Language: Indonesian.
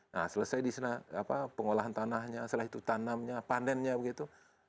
nah selesai di sana pengolahan tanahnya setelah itu tanamnya panennya begitu